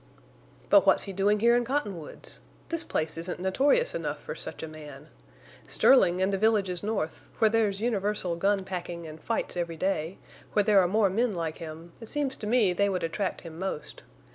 "But what's he doing here in Cottonwoods? This place isn't notorious enough for such a man. Sterling and the villages north, where there's universal gun packing and fights every day—where there are more men like him, it seems to me they would attract him most.